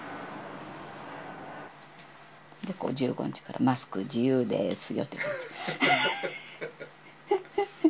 １５日からマスク自由ですよって書いてる。